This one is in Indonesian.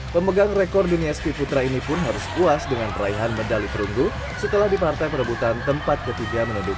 pemegang rekor dunia speed putra ini pun harus puas dengan raihan medali perunggu setelah di partai perebutan tempat ketiga menunjuk